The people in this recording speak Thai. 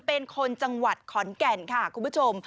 เป็นคนจังหวัดขอนแก่นค่ะคุณผู้ชม